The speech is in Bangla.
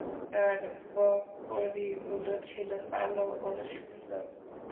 তাঁর বকরীগুলো ছিলো কালো ও সুন্দর।